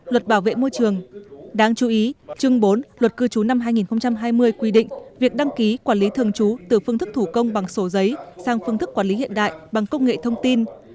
luật bảo vệ môi trường đáng chú ý chương bốn luật cư trú năm hai nghìn hai mươi quy định việc đăng ký quản lý thường trú từ phương thức thủ công bằng sổ giấy sang phương thức quản lý hiện đại bằng công nghệ thông tin